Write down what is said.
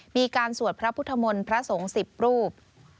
มีการสวดพระพุทธมนต์พระสงฆ์๑๐รูป